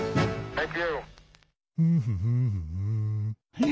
はい。